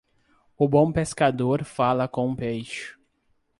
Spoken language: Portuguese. O bom pescador fala com o peixe.